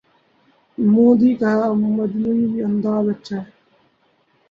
movie کا مجموعی انداز اچھا ہے